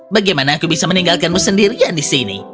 bagaimana aku bisa meninggalkanmu sendirian di sini